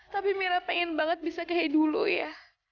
tapi mira pengen banget bisa kayak dulu ya